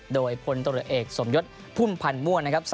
โดยพลตรวจเอกสมยศพุ่มพันธ์ม่วนนะครับ